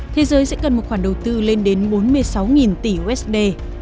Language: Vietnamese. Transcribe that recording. thế giới sẽ cần một khoản đầu tư lên đến bốn mươi sáu tỷ usd